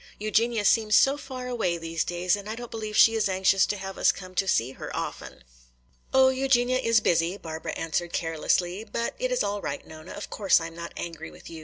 Eugenia seems so far away these days and I don't believe she is anxious to have us come to see her often." "Oh, Eugenia is busy," Barbara answered carelessly. "But it is all right, Nona; of course I am not angry with you.